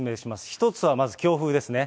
１つはまず強風ですね。